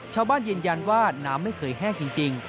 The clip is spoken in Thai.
ชาวบ้านยืนยันว่าน้ำไม่เคยแห้งจริง